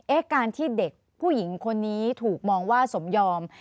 การที่เด็กผู้หญิงคนนี้ถูกมองว่าสมยอม